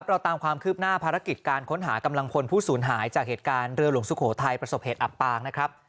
เราตามความคืบหน้าภารกิจการค้นหากำลังพลผู้สูญหายจากเหตุการณ์เรือหลวงสุโขทัยประสบเหตุอับปางนะครับ